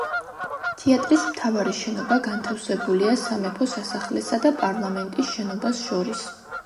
თეატრის მთავარი შენობა განთავსებულია სამეფო სასახლესა და პარლამენტის შენობას შორის.